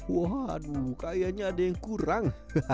waduh kayaknya ada yang kurang